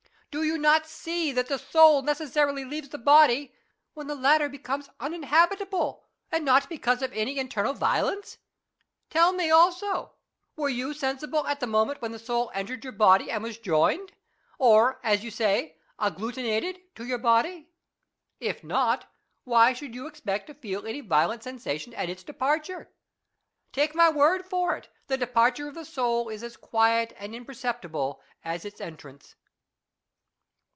Do you not see that the soul necessarily leaves the body when the latter becomes uninhabitable, and not because of any internal violence ? Tell me also : were you sensible of the moment when the soul entered you, and was joined, or as you say agglutinated, to your body ? If not, why should you expect to feel any violent sensation at its departure ? Take my word for it, the departure of the soul is as quiet and imperceptible as its entrance.